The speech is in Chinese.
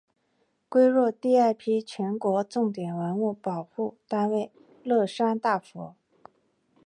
归入第二批全国重点文物保护单位乐山大佛。